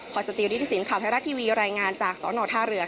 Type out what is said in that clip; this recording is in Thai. สจิริฐศิลปข่าวไทยรัฐทีวีรายงานจากสนท่าเรือ